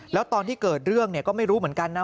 แล้วตอนที่เกิดเรื่องเนี่ยก็ไม่รู้เหมือนกันนะ